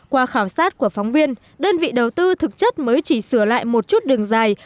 qua khảo sát của phóng viên đơn vị đầu tư thực chất mới chỉ sửa lại một chút đường dài